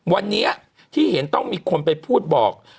วันนี้ที่เห็นต้องมีคนไปพูดบอก